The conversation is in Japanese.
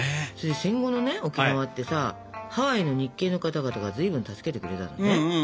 戦後のね沖縄ってさハワイの日系の方々がずいぶん助けてくれたのね。